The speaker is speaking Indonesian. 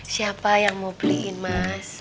siapa yang mau beliin emas